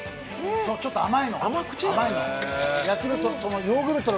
そう、ちょっと甘いの。